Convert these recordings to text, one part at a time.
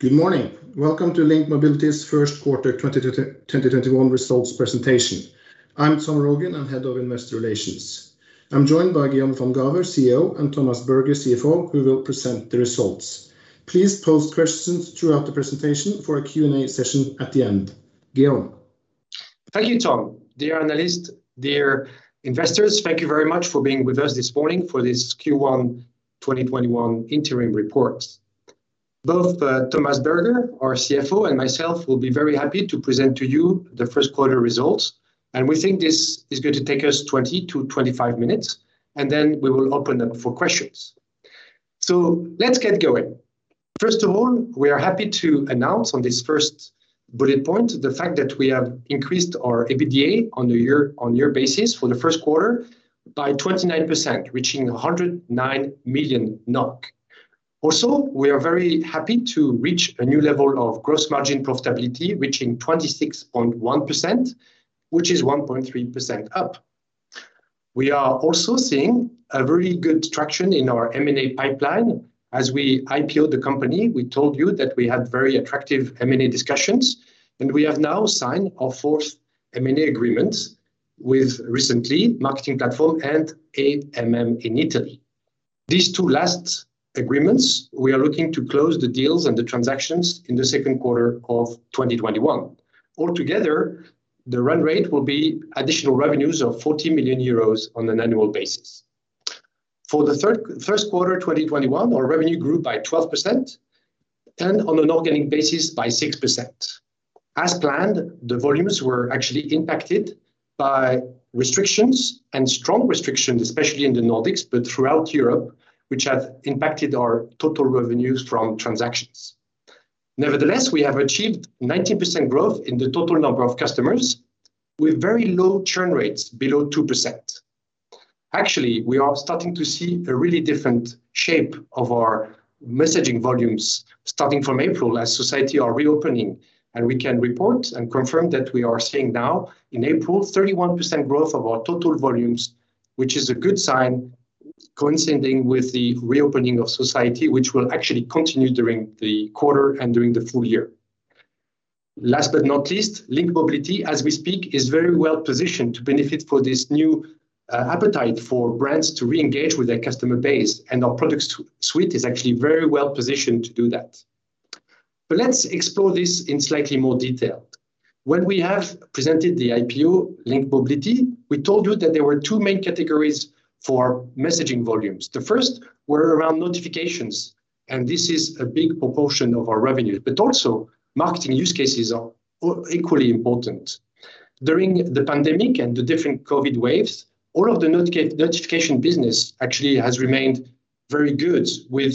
Good morning. Welcome to LINK Mobility's first quarter 2021 results presentation. I'm Tom Rogn. I'm Head of Investor Relations. I'm joined by Guillaume van Gaver, CEO, and Thomas Berge, CFO, who will present the results. Please pose questions throughout the presentation for a Q&A session at the end. Guillaume? Thank you, Tom. Dear analysts, dear investors, thank you very much for being with us this morning for this Q1 2021 interim report. Both Thomas Berge, our CFO, and myself will be very happy to present to you the first quarter results, and we think this is going to take us 20-25 minutes, then we will open up for questions. Let's get going. First of all, we are happy to announce on this first bullet point the fact that we have increased our EBITDA on year basis for the first quarter by 29%, reaching 109 million NOK. Also, we are very happy to reach a new level of gross margin profitability, reaching 26.1%, which is 1.3% up. We are also seeing a very good traction in our M&A pipeline. As we IPO the company, we told you that we had very attractive M&A discussions. We have now signed our fourth M&A agreement with recently MarketingPlatform and AMM in Italy. These two last agreements, we are looking to close the deals and the transactions in the second quarter of 2021. Altogether, the run rate will be additional revenues of 40 million euros on an annual basis. For the first quarter 2021, our revenue grew by 12%, and on an organic basis by 6%. As planned, the volumes were actually impacted by restrictions and strong restrictions, especially in the Nordics but throughout Europe, which have impacted our total revenues from transactions. Nevertheless, we have achieved 19% growth in the total number of customers with very low churn rates below 2%. Actually, we are starting to see a really different shape of our messaging volumes starting from April as society are reopening, and we can report and confirm that we are seeing now in April 31% growth of our total volumes, which is a good sign coinciding with the reopening of society, which will actually continue during the quarter and during the full year. Last but not least, LINK Mobility, as we speak, is very well positioned to benefit for this new appetite for brands to re-engage with their customer base, and our product suite is actually very well positioned to do that. Let's explore this in slightly more detail. When we have presented the IPO LINK Mobility, we told you that there were two main categories for messaging volumes. The first were around notifications, and this is a big proportion of our revenues, but also marketing use cases are equally important. During the pandemic and the different COVID waves, all of the notification business actually has remained very good with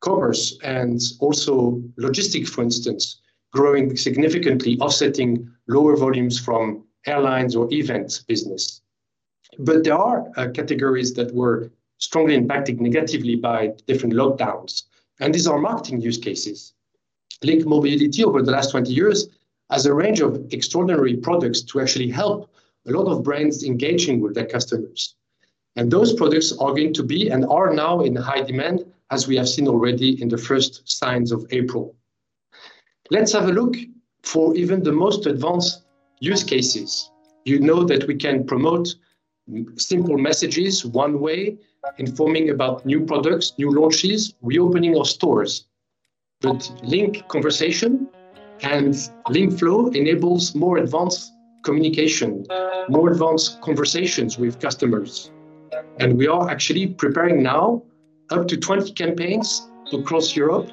commerce and also logistics, for instance, growing significantly offsetting lower volumes from airlines or events business. There are categories that were strongly impacted negatively by different lockdowns, and these are marketing use cases. LINK Mobility over the last 20 years has a range of extraordinary products to actually help a lot of brands engaging with their customers. Those products are going to be and are now in high demand, as we have seen already in the first signs of April. Let's have a look for even the most advanced use cases. You know that we can promote simple messages one way, informing about new products, new launches, reopening of stores. LINK Conversations and LINK Flow enables more advanced communication, more advanced conversations with customers. We are actually preparing now up to 20 campaigns across Europe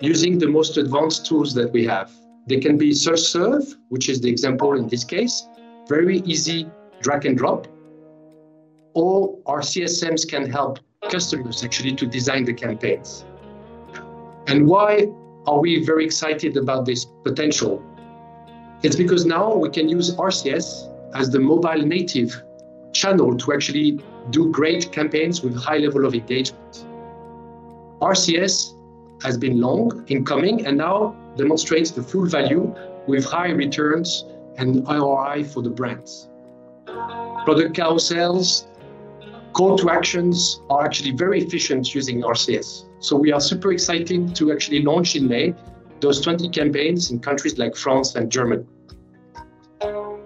using the most advanced tools that we have. They can be self-serve, which is the example in this case, very easy drag and drop, or our CSMs can help customers actually to design the campaigns. Why are we very excited about this potential? It's because now we can use RCS as the mobile native channel to actually do great campaigns with high level of engagement. RCS has been long in coming and now demonstrates the full value with high returns and ROI for the brands. Product carousels, call to actions are actually very efficient using RCS. We are super excited to actually launch in May those 20 campaigns in countries like France and Germany.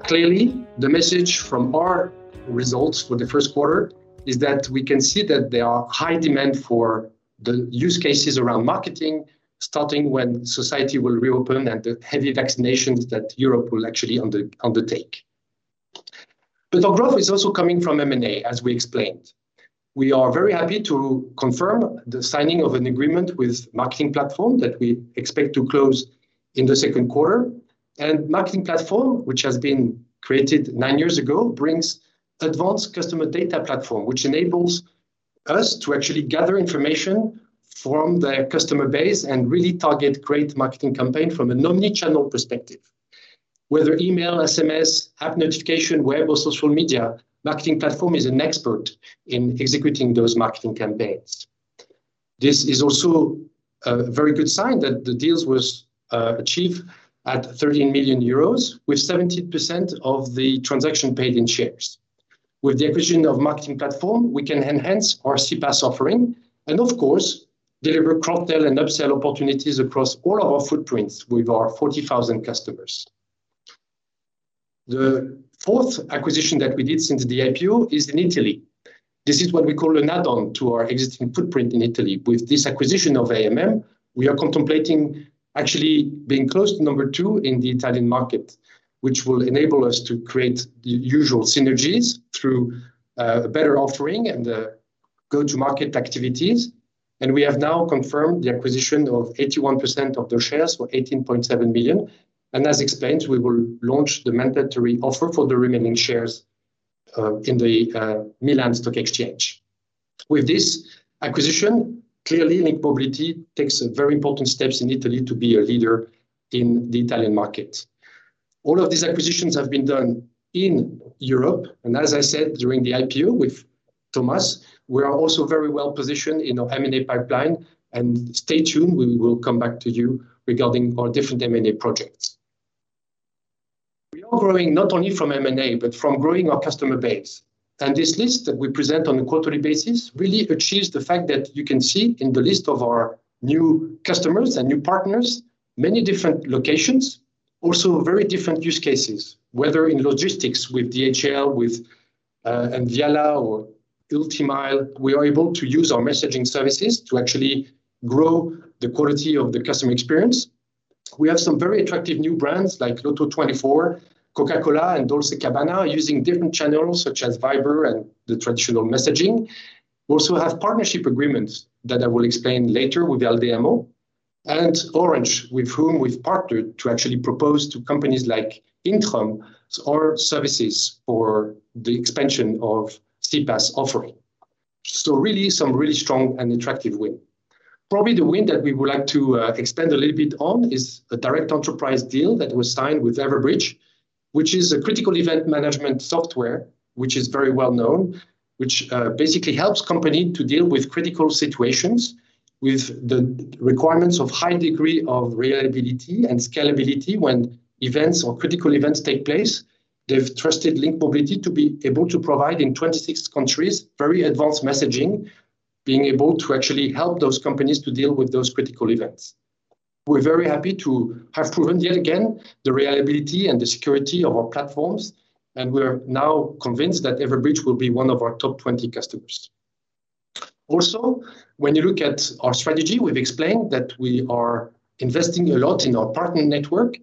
Clearly, the message from our results for the first quarter is that we can see that there are high demand for the use cases around marketing, starting when society will reopen and the heavy vaccinations that Europe will actually undertake. Our growth is also coming from M&A, as we explained. We are very happy to confirm the signing of an agreement with MarketingPlatform that we expect to close in the second quarter. MarketingPlatform, which has been created nine years ago, brings advanced customer data platform, which enables us to actually gather information from their customer base and really target great marketing campaign from an omnichannel perspective. Whether email, SMS, app notification, web, or social media, MarketingPlatform is an expert in executing those marketing campaigns. This is also a very good sign that the deals were achieved at 30 million euros, with 70% of the transaction paid in shares. With the acquisition of MarketingPlatform, we can enhance our CPaaS offering and of course deliver cross-sell and upsell opportunities across all our footprints with our 40,000 customers. The fourth acquisition that we did since the IPO is in Italy. This is what we call an add-on to our existing footprint in Italy. With this acquisition of AMM, we are contemplating actually being close to number two in the Italian market, which will enable us to create the usual synergies through better offering and go-to-market activities. We have now confirmed the acquisition of 81% of their shares for 18.7 million. As explained, we will launch the mandatory offer for the remaining shares in the Milan Stock Exchange. With this acquisition, clearly LINK Mobility takes very important steps in Italy to be a leader in the Italian market. All of these acquisitions have been done in Europe, and as I said during the IPO with Thomas, we are also very well-positioned in our M&A pipeline. Stay tuned, we will come back to you regarding our different M&A projects. We are growing not only from M&A, but from growing our customer base. This list that we present on a quarterly basis really achieves the fact that you can see in the list of our new customers and new partners many different locations, also very different use cases. Whether in logistics with DHL, with Envialia or Ultimail, we are able to use our messaging services to actually grow the quality of the customer experience. We have some very attractive new brands like LOTTO24, Coca-Cola, and Dolce & Gabbana using different channels such as Viber and the traditional messaging. We also have partnership agreements that I will explain later with Aldeamo and Orange, with whom we've partnered to actually propose to companies like Intrum our services for the expansion of CPaaS offering. Really some really strong and attractive win. Probably the win that we would like to expand a little bit on is a direct enterprise deal that was signed with Everbridge, which is a critical event management software, which is very well-known, which basically helps companies to deal with critical situations with the requirements of a high degree of reliability and scalability when events or critical events take place. They've trusted LINK Mobility to be able to provide in 26 countries very advanced messaging, being able to actually help those companies to deal with those critical events. We're very happy to have proven yet again the reliability and the security of our platforms, and we are now convinced that Everbridge will be one of our top 20 customers. When you look at our strategy, we have explained that we are investing a lot in our partner network,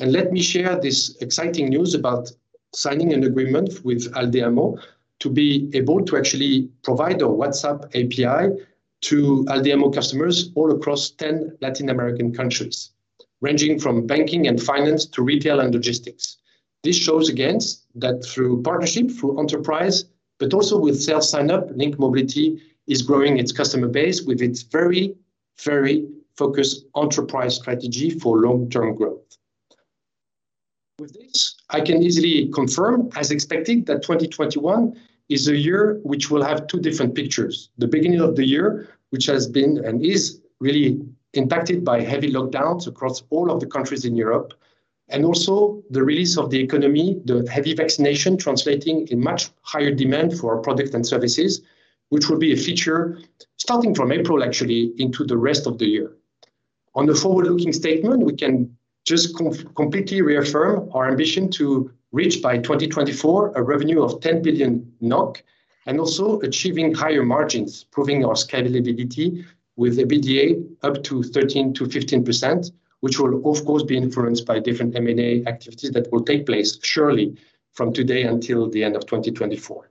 let me share this exciting news about signing an agreement with Aldeamo to be able to actually provide our WhatsApp API to Aldeamo customers all across 10 Latin American countries, ranging from banking and finance to retail and logistics. This shows again that through partnership, through enterprise, but also with self-signup, LINK Mobility is growing its customer base with its very focused enterprise strategy for long-term growth. With this, I can easily confirm, as expected, that 2021 is a year which will have two different pictures. The beginning of the year, which has been and is really impacted by heavy lockdowns across all of the countries in Europe, and also the release of the economy, the heavy vaccination translating a much higher demand for our product and services, which will be a feature starting from April, actually into the rest of the year. On the forward-looking statement, we can just completely reaffirm our ambition to reach by 2024 a revenue of 10 billion NOK, and also achieving higher margins, proving our scalability with EBITDA up to 13%-15%, which will of course be influenced by different M&A activities that will take place surely from today until the end of 2024.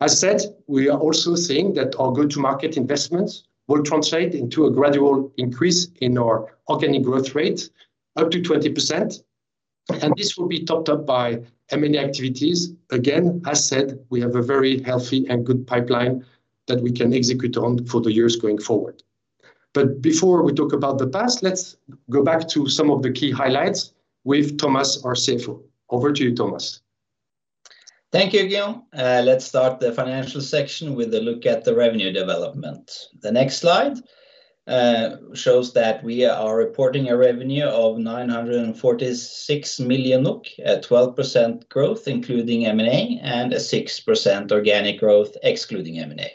As said, we are also seeing that our go-to-market investments will translate into a gradual increase in our organic growth rate up to 20%, and this will be topped up by M&A activities. Again, as said, we have a very healthy and good pipeline that we can execute on for the years going forward. Before we talk about the past, let's go back to some of the key highlights with Thomas, our CFO. Over to you, Thomas. Thank you, Guillaume. Let's start the financial section with a look at the revenue development. The next slide shows that we are reporting a revenue of 946 million at 12% growth including M&A and a 6% organic growth excluding M&A.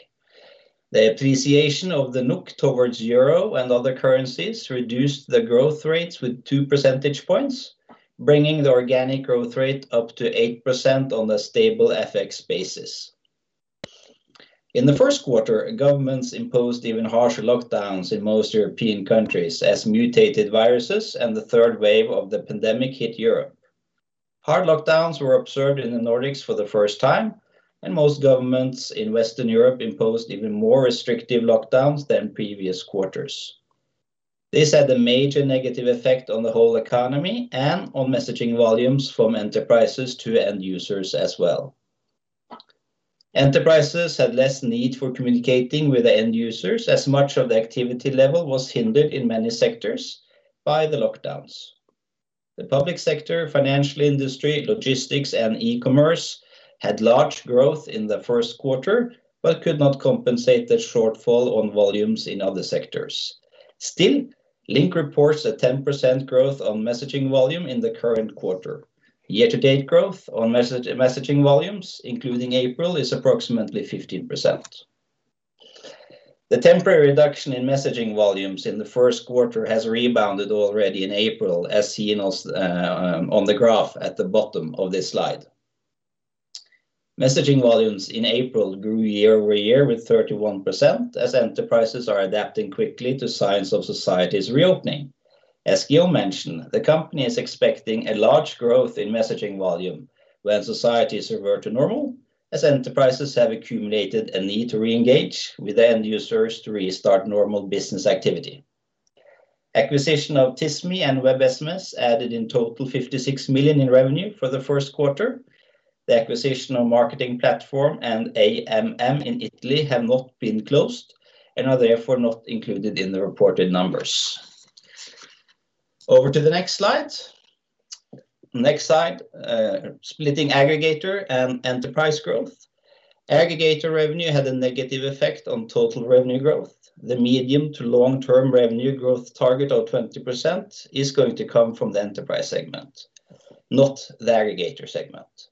The appreciation of the NOK towards euro and other currencies reduced the growth rates with two percentage points, bringing the organic growth rate up to 8% on a stable FX basis. In the first quarter, governments imposed even harsher lockdowns in most European countries as mutated viruses and the third wave of the pandemic hit Europe. Hard lockdowns were observed in the Nordics for the first time, and most governments in Western Europe imposed even more restrictive lockdowns than previous quarters. This had a major negative effect on the whole economy and on messaging volumes from enterprises to end users as well. Enterprises had less need for communicating with the end users as much of the activity level was hindered in many sectors by the lockdowns. The public sector, financial industry, logistics, and e-commerce had large growth in the first quarter, but could not compensate the shortfall on volumes in other sectors. Still, LINK reports a 10% growth on messaging volume in the current quarter. Year-to-date growth on messaging volumes, including April, is approximately 15%. The temporary reduction in messaging volumes in the first quarter has rebounded already in April, as seen on the graph at the bottom of this slide. Messaging volumes in April grew year-over-year with 31% as enterprises are adapting quickly to signs of society's reopening. As Gil mentioned, the company is expecting a large growth in messaging volume when societies revert to normal, as enterprises have accumulated a need to reengage with the end users to restart normal business activity. Acquisition of Tismi and WebSMS added in total 56 million in revenue for the first quarter. The acquisition of MarketingPlatform and AMM in Italy have not been closed and are therefore not included in the reported numbers. Over to the next slide. Next slide, splitting aggregator and enterprise growth. Aggregator revenue had a negative effect on total revenue growth. The medium to long-term revenue growth target of 20% is going to come from the enterprise segment, not the aggregator segment.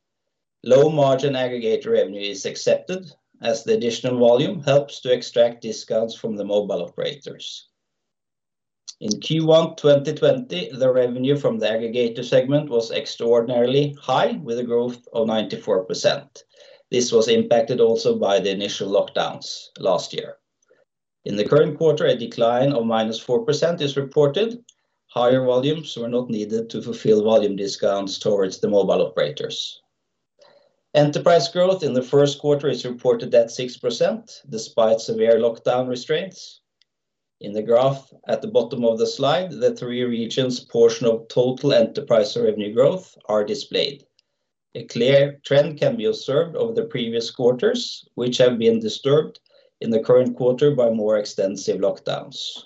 Low margin aggregator revenue is accepted as the additional volume helps to extract discounts from the mobile operators. In Q1 2020, the revenue from the aggregator segment was extraordinarily high, with a growth of 94%. This was impacted also by the initial lockdowns last year. In the current quarter, a decline of minus 4% is reported. Higher volumes were not needed to fulfill volume discounts towards the mobile operators. Enterprise growth in the first quarter is reported at 6%, despite severe lockdown restraints. In the graph at the bottom of the slide, the three regions' portion of total enterprise revenue growth are displayed. A clear trend can be observed over the previous quarters, which have been disturbed in the current quarter by more extensive lockdowns.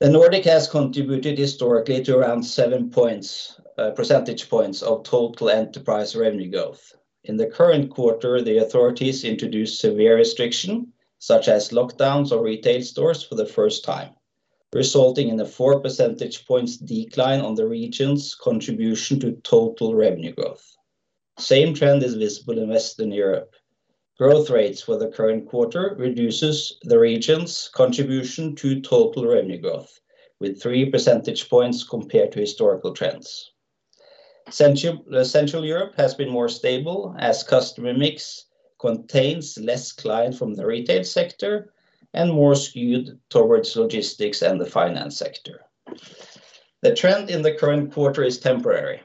The Nordic has contributed historically to around seven percentage points of total enterprise revenue growth. In the current quarter, the authorities introduced severe restriction, such as lockdowns or retail stores for the first time, resulting in a four percentage points decline on the region's contribution to total revenue growth. Same trend is visible in Western Europe. Growth rates for the current quarter reduces the region's contribution to total revenue growth with three percentage points compared to historical trends. Central Europe has been more stable, as customer mix contains less client from the retail sector and more skewed towards logistics and the finance sector. The trend in the current quarter is temporary.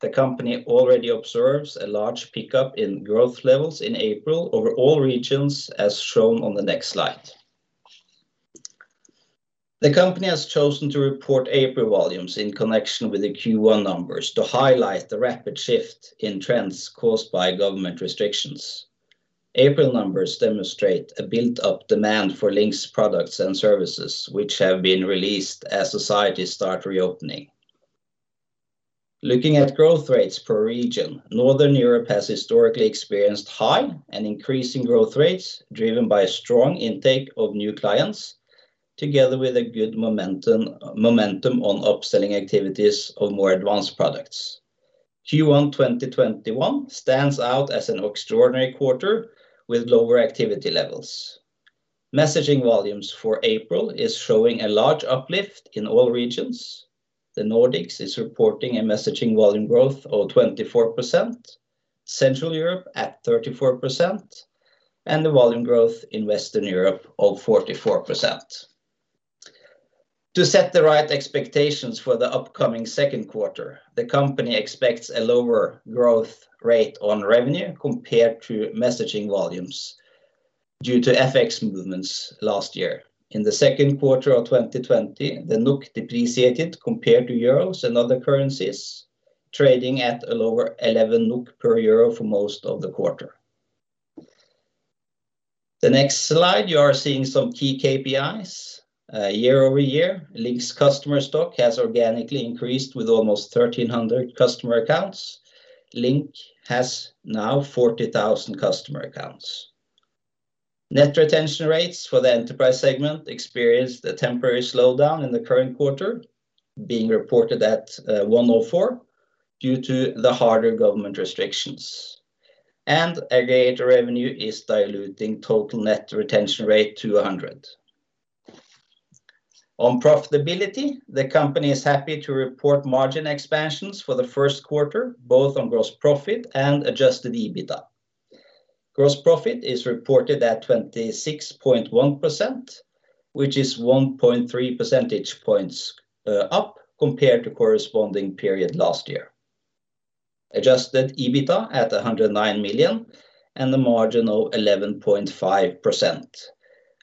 The company already observes a large pickup in growth levels in April over all regions, as shown on the next slide. The company has chosen to report April volumes in connection with the Q1 numbers to highlight the rapid shift in trends caused by government restrictions. April numbers demonstrate a built-up demand for LINK's products and services, which have been released as societies start reopening. Looking at growth rates per region, Northern Europe has historically experienced high and increasing growth rates, driven by a strong intake of new clients, together with a good momentum on upselling activities of more advanced products. Q1 2021 stands out as an extraordinary quarter with lower activity levels. Messaging volumes for April is showing a large uplift in all regions. The Nordics is reporting a messaging volume growth of 24%, Central Europe at 34%, and the volume growth in Western Europe of 44%. To set the right expectations for the upcoming second quarter, the company expects a lower growth rate on revenue compared to messaging volumes due to FX movements last year. In the second quarter of 2020, the NOK depreciated compared to EUR and other currencies, trading at a lower 11 NOK per EUR for most of the quarter. The next slide, you are seeing some key KPIs. Year-over-year, LINK's customer stock has organically increased with almost 1,300 customer accounts. LINK has now 40,000 customer accounts. Net retention rates for the enterprise segment experienced a temporary slowdown in the current quarter, being reported at 104 due to the harder government restrictions. Aggregator revenue is diluting total net retention rate to 100. On profitability, the company is happy to report margin expansions for the first quarter, both on gross profit and adjusted EBITDA. Gross profit is reported at 26.1%, which is 1.3 percentage points up compared to corresponding period last year. Adjusted EBITDA at 109 million and a margin of 11.5%,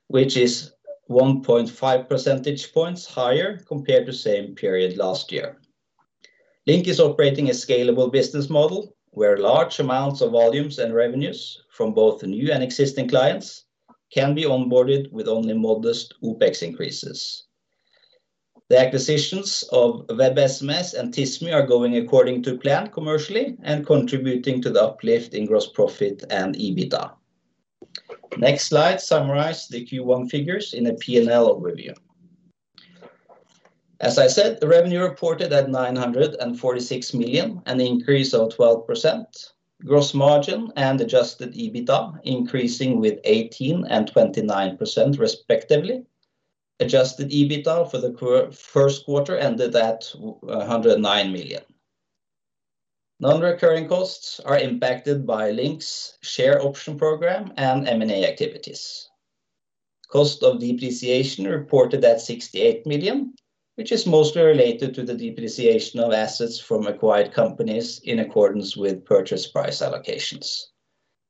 which is 1.5 percentage points higher compared to same period last year. LINK Mobility is operating a scalable business model where large amounts of volumes and revenues from both new and existing clients can be onboarded with only modest OpExincreases. The acquisitions of WebSMS and Tismi are going according to plan commercially and contributing to the uplift in gross profit and EBITDA. Next slide summarize the Q1 figures in a P&L overview. As I said, the revenue reported at 946 million, an increase of 12%. Gross margin and adjusted EBITDA increasing with 18% and 29%, respectively. Adjusted EBITDA for the first quarter ended at 109 million. Non-recurring costs are impacted by LINK Mobility's share option program and M&A activities. Cost of depreciation reported at 68 million, which is mostly related to the depreciation of assets from acquired companies in accordance with purchase price allocations.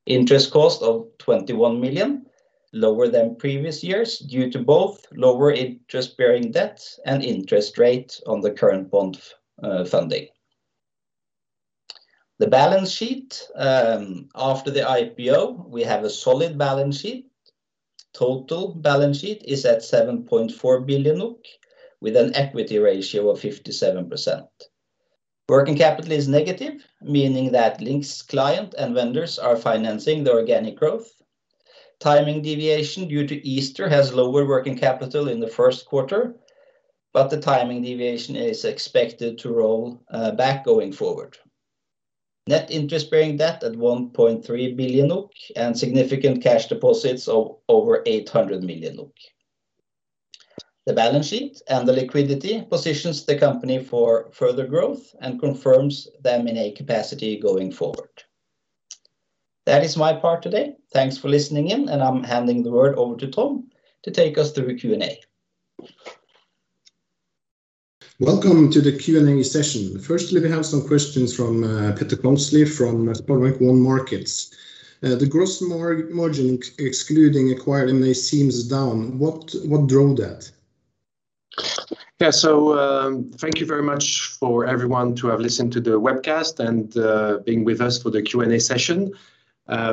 Interest cost of 21 million, lower than previous years due to both lower interest-bearing debt and interest rate on the current bond funding. The balance sheet. After the IPO, we have a solid balance sheet. Total balance sheet is at 7.4 billion NOK with an equity ratio of 57%. Working capital is negative, meaning that LINK's client and vendors are financing the organic growth. Timing deviation due to Easter has lower working capital in the first quarter, but the timing deviation is expected to roll back going forward. Net interest-bearing debt at 1.3 billion NOK and significant cash deposits of over 800 million. The balance sheet and the liquidity positions the company for further growth and confirms the M&A capacity going forward. That is my part today. Thanks for listening in. I'm handing the word over to Tom to take us through the Q&A. Welcome to the Q&A session. Firstly, we have some questions from Petter Kongslie from SB1 Markets. The gross margin excluding acquired M&A seems down. What drove that? Yeah. Thank you very much for everyone to have listened to the webcast and being with us for the Q&A session.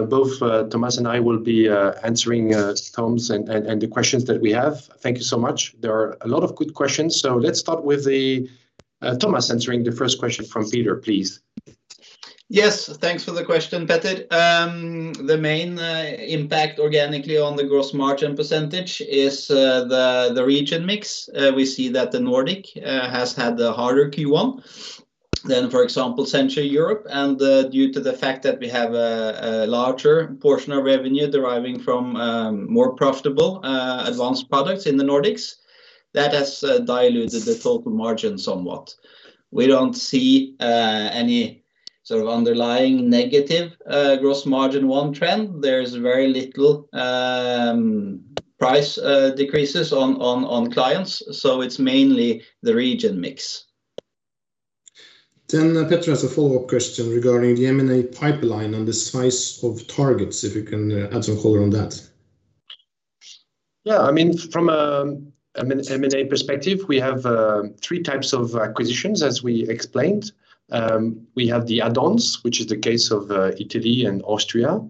Both Thomas and I will be answering, Tom, and the questions that we have. Thank you so much. There are a lot of good questions. Let's start with Thomas answering the first question from Petter, please. Yes, thanks for the question, Petter. The main impact organically on the gross margin percentage is the region mix. We see that the Nordic has had a harder Q1 than, for example, Central Europe. Due to the fact that we have a larger portion of revenue deriving from more profitable advanced products in the Nordics, that has diluted the total margin somewhat. We don't see any sort of underlying negative gross margin trend. There is very little price decreases on clients, it's mainly the region mix. Petter has a follow-up question regarding the M&A pipeline and the size of targets, if you can add some color on that. Yeah, from an M&A perspective, we have 3 types of acquisitions, as we explained. We have the add-ons, which is the case of Italy and Austria.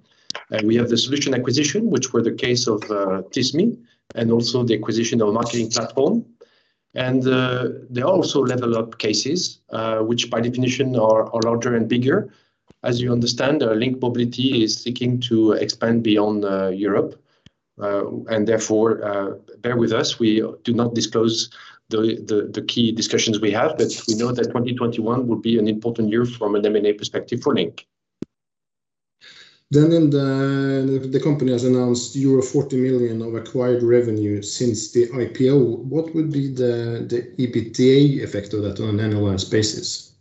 We have the solution acquisition, which were the case of Tismi, and also the acquisition of MarketingPlatform. There are also level-up cases, which by definition are larger and bigger. As you understand, LINK Mobility is seeking to expand beyond Europe. Therefore, bear with us. We do not disclose the key discussions we have, but we know that 2021 will be an important year from an M&A perspective for LINK. The company has announced euro 40 million of acquired revenue since the IPO. What will be the EBITDA effect of that on an annual basis?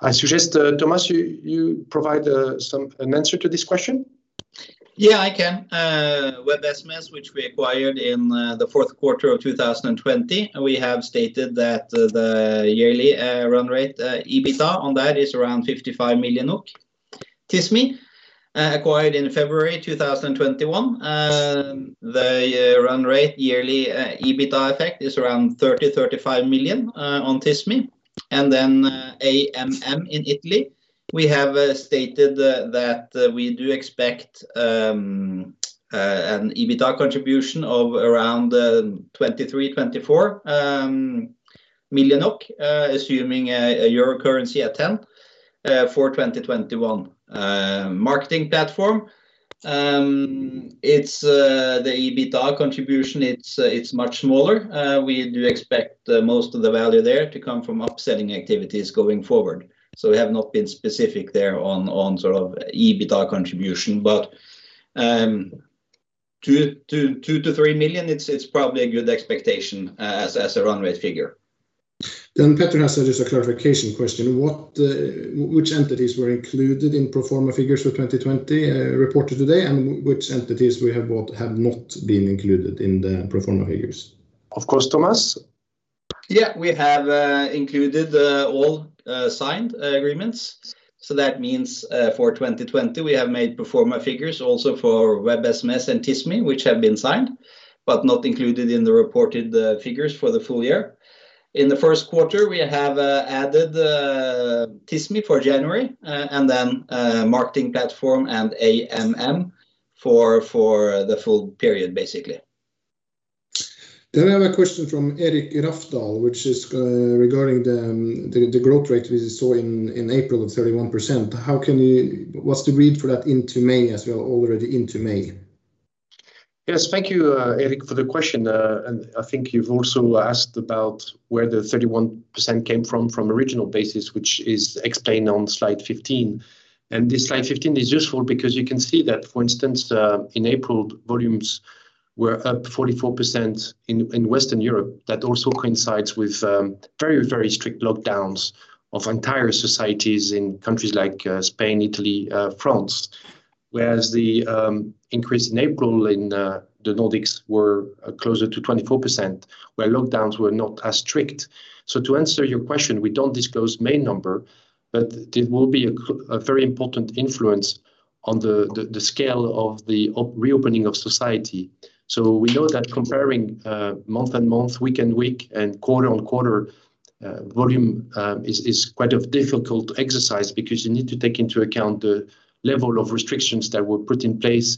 I suggest, Thomas, you provide an answer to this question. Yeah, I can. WebSMS, which we acquired in the fourth quarter of 2020, we have stated that the yearly run rate EBITDA on that is around 55 million NOK. Tismi, acquired in February 2021. The run rate yearly EBITDA effect is around 30 million-35 million on Tismi. AMM in Italy, we have stated that we do expect an EBITDA contribution of around 23 million-24 million, assuming EUR currency at 10 for 2021. MarketingPlatform, the EBITDA contribution, it's much smaller. We do expect most of the value there to come from upselling activities going forward. We have not been specific there on sort of EBITDA contribution, but 2 million-3 million, it's probably a good expectation as a run rate figure. Petter has just a clarification question. Which entities were included in pro forma figures for 2020 reported today, and which entities we have bought have not been included in the pro forma figures? Of course, Thomas. Yes, we have included all signed agreements. That means for 2020, we have made pro forma figures also for WebSMS and Tismi, which have been signed, but not included in the reported figures for the full year. In the first quarter, we have added Tismi for January and then MarketingPlatform and AMM for the full period, basically. We have a question from Eirik Rafdal, which is regarding the growth rate we saw in April of 31%. What's the read for that into May as well? Already into May. Yes, thank you, Eirik, for the question. I think you've also asked about where the 31% came from original basis, which is explained on slide 15. This slide 15 is useful because you can see that, for instance, in April, volumes were up 44% in Western Europe. That also coincides with very strict lockdowns of entire societies in countries like Spain, Italy, France. Whereas the increase in April in the Nordics were closer to 24%, where lockdowns were not as strict. To answer your question, we don't disclose May number, but it will be a very important influence on the scale of the re-opening of society. We know that comparing month-on-month, week-on-week, and quarter-on-quarter volume is quite a difficult exercise because you need to take into account the level of restrictions that were put in place,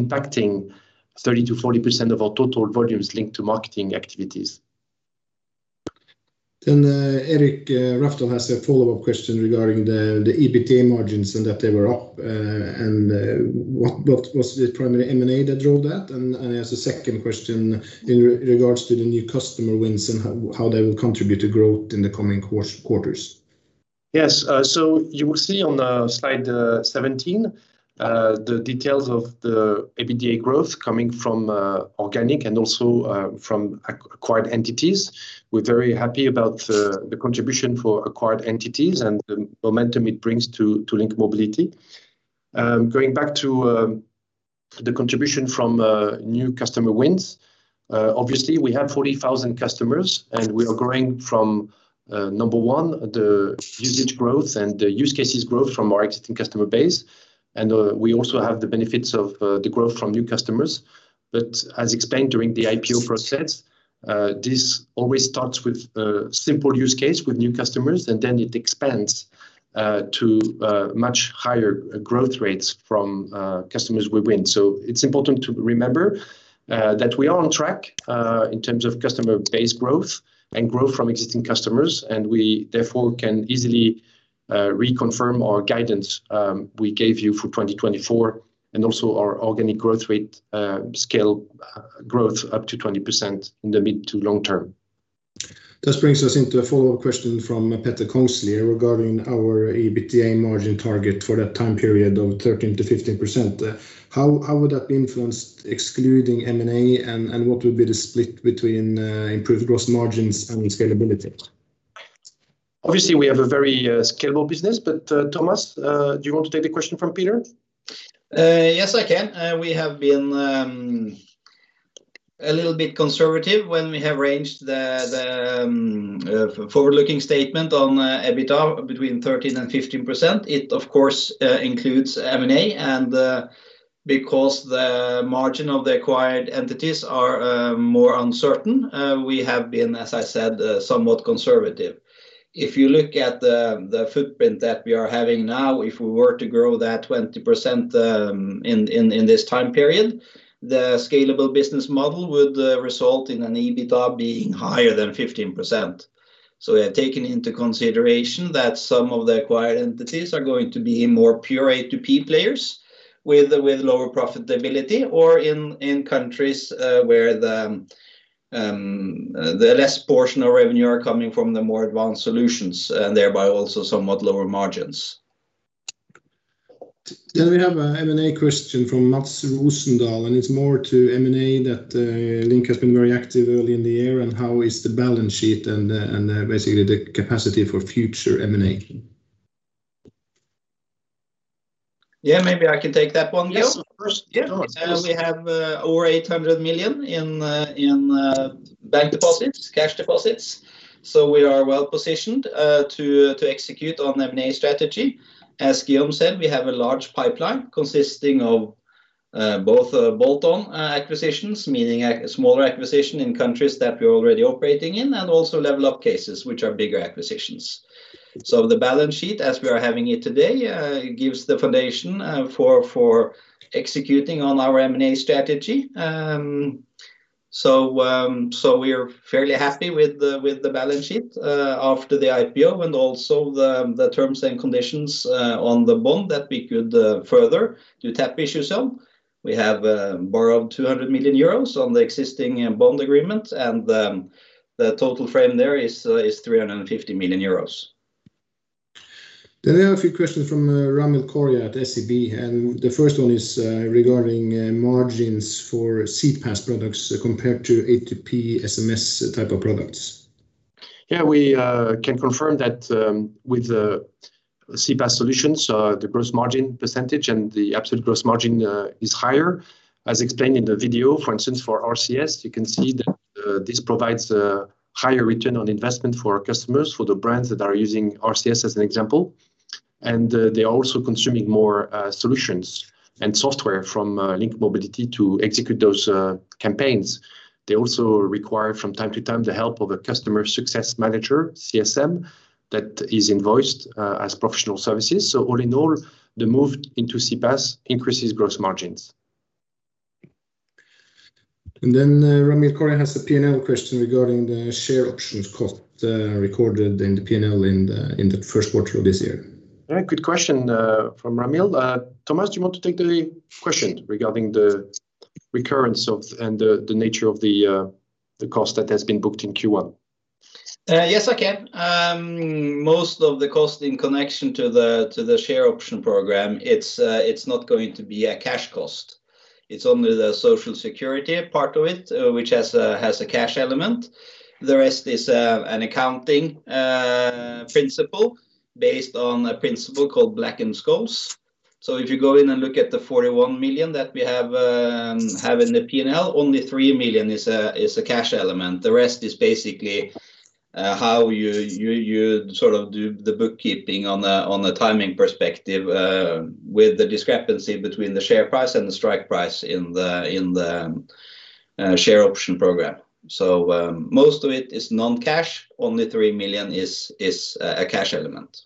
impacting 30%-40% of our total volumes linked to marketing activities. Erik Rafdal has a follow-up question regarding the EBITDA margins and that they were up. Was it primary M&A that drove that? He has a second question in regards to the new customer wins and how they will contribute to growth in the coming quarters. Yes. You will see on slide 17 the details of the EBITDA growth coming from organic and also from acquired entities. We're very happy about the contribution for acquired entities and the momentum it brings to LINK Mobility. Going back to the contribution from new customer wins, obviously, we have 40,000 customers and we are growing from number 1, the usage growth and the use cases growth from our existing customer base. We also have the benefits of the growth from new customers. As explained during the IPO process, this always starts with a simple use case with new customers, and then it expands to much higher growth rates from customers we win. It's important to remember that we are on track in terms of customer base growth and growth from existing customers, and we therefore can easily reconfirm our guidance we gave you for 2024 and also our organic growth rate scale growth up to 20% in the mid to long term. This brings us into a follow-up question from Petter Kongslie regarding our EBITDA margin target for that time period of 13%-15%. How would that be influenced excluding M&A and what would be the split between improved gross margins and scalability? Obviously, we have a very scalable business, but Thomas, do you want to take the question from Petter? Yes, I can. We have been a little bit conservative when we have arranged the forward-looking statement on EBITDA between 13% and 15%. It, of course, includes M&A, and because the margin of the acquired entities are more uncertain we have been, as I said, somewhat conservative. If you look at the footprint that we are having now, if we were to grow that 20% in this time period, the scalable business model would result in an EBITDA being higher than 15%. We have taken into consideration that some of the acquired entities are going to be more pure A2P players with lower profitability or in countries where the less portion of revenue are coming from the more advanced solutions and thereby also somewhat lower margins. We have a M&A question from Mads Rosendahl. It's more to M&A that Link has been very active early in the year. How is the balance sheet and basically the capacity for future M&A? Maybe I can take that one, Guillaume. Yes, of course. We have over 800 million in bank deposits, cash deposits. We are well positioned to execute on M&A strategy. As Guillaume said, we have a large pipeline consisting of both bolt-on acquisitions, meaning a smaller acquisition in countries that we're already operating in, and also level-up cases, which are bigger acquisitions. The balance sheet as we are having it today gives the foundation for executing on our M&A strategy. We're fairly happy with the balance sheet after the IPO and also the terms and conditions on the bond that we could further do tap issues on. We have borrowed 200 million euros on the existing bond agreement, and the total frame there is 350 million euros. We have a few questions from Ramil Koria at SEB. The first one is regarding margins for CPaaS products compared to A2P SMS type of products. Yeah, we can confirm that with CPaaS solutions, the gross margin percentage and the absolute gross margin is higher. As explained in the video, for instance, for RCS, you can see that this provides a higher return on investment for our customers, for the brands that are using RCS as an example. They are also consuming more solutions and software from LINK Mobility to execute those campaigns. They also require from time to time the help of a Customer Success Manager, CSM, that is invoiced as professional services. All in all, the move into CPaaS increases gross margins. Ramil Koria has a P&L question regarding the share options cost recorded in the P&L in the first quarter of this year. Good question from Ramil, Thomas, do you want to take the question regarding the recurrence and the nature of the cost that has been booked in Q1? Yes, I can. Most of the cost in connection to the share option program, it's not going to be a cash cost. It's only the social security part of it, which has a cash element. The rest is an accounting principle based on a principle called Black-Scholes. If you go in and look at the 41 million that we have in the P&L, only 3 million is a cash element. The rest is basically how you do the bookkeeping on the timing perspective with the discrepancy between the share price and the strike price in the share option program. Most of it is non-cash. Only 3 million is a cash element.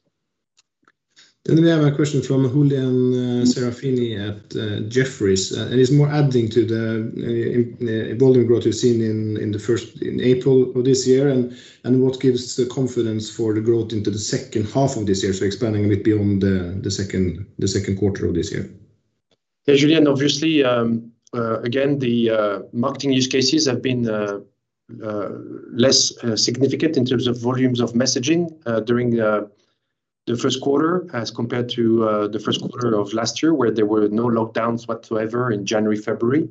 We have a question from Julian Serafini at Jefferies, and it's more adding to the volume growth we've seen in April of this year and what gives the confidence for the growth into the second half of this year. Expanding a bit beyond the second quarter of this year. Hey, Julian, obviously, again, the marketing use cases have been less significant in terms of volumes of messaging during the first quarter as compared to the first quarter of last year, where there were no lockdowns whatsoever in January, February.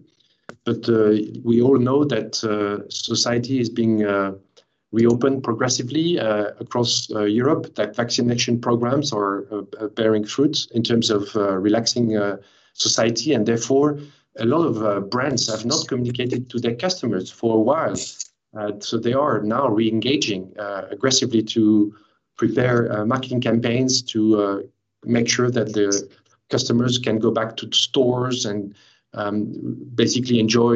We all know that society is being reopened progressively across Europe, that vaccination programs are bearing fruit in terms of relaxing society. Therefore, a lot of brands have not communicated to their customers for a while. They are now re-engaging aggressively to prepare marketing campaigns to make sure that their customers can go back to stores and basically enjoy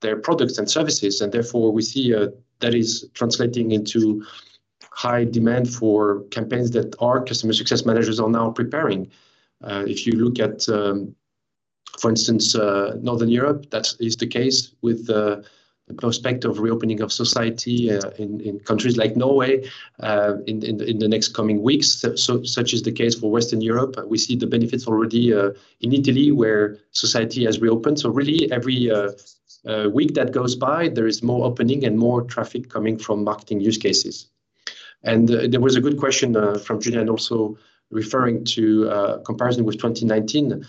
their products and services. Therefore, we see that is translating into high demand for campaigns that our Customer Success Managers are now preparing. If you look at, for instance Northern Europe, that is the case with the prospect of reopening of society in countries like Norway in the next coming weeks. Such is the case for Western Europe. We see the benefits already in Italy, where society has reopened. Really every week that goes by, there is more opening and more traffic coming from marketing use cases. There was a good question from Julian also referring to comparison with 2019,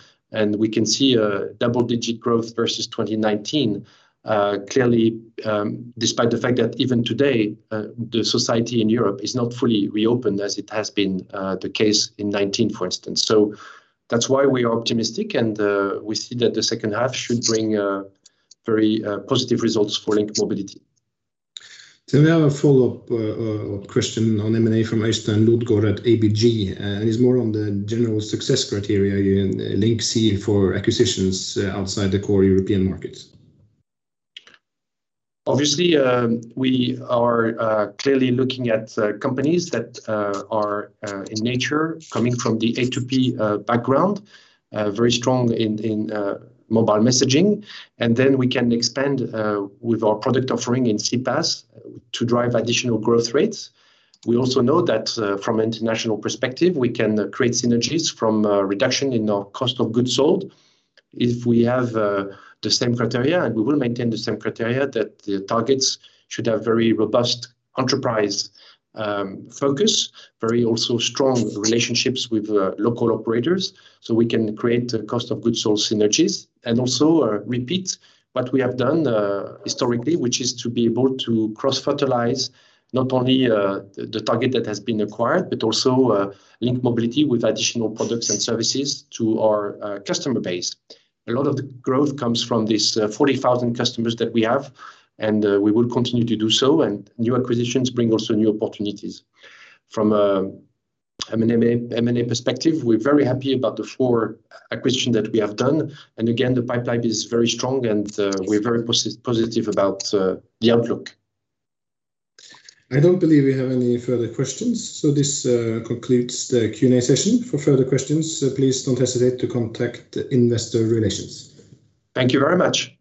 we can see a double-digit growth versus 2019. Clearly, despite the fact that even today the society in Europe is not fully reopened as it has been the case in 2019, for instance. That's why we are optimistic, we see that the second half should bring very positive results for LINK Mobility. We have a follow-up question on M&A from Christian Løvaas at ABG. It is more on the general success criteria in LINK Mobility for acquisitions outside the core European markets. Obviously, we are clearly looking at companies that are in nature coming from the A2P background, very strong in mobile messaging, and then we can expand with our product offering in CPaaS to drive additional growth rates. We also know that from international perspective, we can create synergies from a reduction in our cost of goods sold. If we have the same criteria, and we will maintain the same criteria, that the targets should have very robust enterprise focus, very also strong relationships with local operators so we can create cost of goods sold synergies. Also repeat what we have done historically, which is to be able to cross-fertilize not only the target that has been acquired, but also LINK Mobility with additional products and services to our customer base. A lot of the growth comes from these 40,000 customers that we have, and we will continue to do so, and new acquisitions bring also new opportunities. From an M&A perspective, we're very happy about the four acquisitions that we have done. Again, the pipeline is very strong, and we're very positive about the outlook. I don't believe we have any further questions. This concludes the Q&A session. For further questions, please don't hesitate to contact Investor Relations. Thank you very much.